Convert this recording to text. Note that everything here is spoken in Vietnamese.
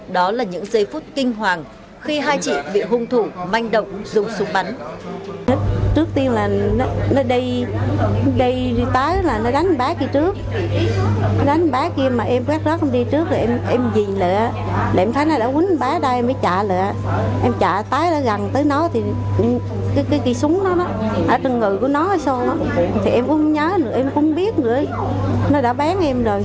đó là những giây phút kinh hoàng khi hai chị bị hung thủ manh động dùng súng bắn